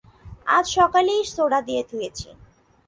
আজ সকালেই সোডা দিয়ে ধুয়েছি।